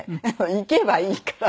行けばいいから。